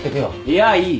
いやいい。